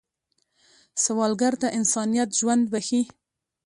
سوالګر ته انسانیت ژوند بښي